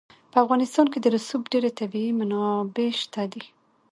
په افغانستان کې د رسوب ډېرې طبیعي منابع شته دي.